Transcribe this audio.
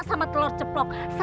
sama telur ceplok